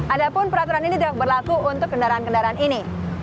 adapun peraturan ini tidak berlaku untuk kendaraan kendaraan ini